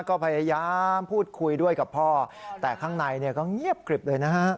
ก็พยายามพูดคุยด้วยกับพ่อแต่ข้างในเนี่ยก็เงียบกริบเลยนะฮะ